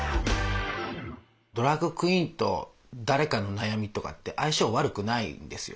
ドラァグクイーンと誰かの悩みとかって相性悪くないんですよ。